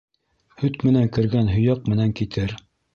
Һөт менән кергән һөйәк менән китер.